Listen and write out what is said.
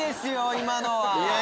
今のは。